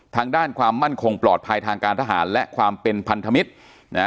ทางด้านความมั่นคงปลอดภัยทางการทหารและความเป็นพันธมิตรนะฮะ